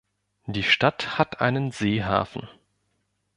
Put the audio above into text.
Die Stadt hat einen Seehafen.